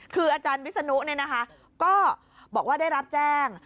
คืออาจารย์วิสนุเนี่ยนะคะก็บอกว่าได้รับแจ้ง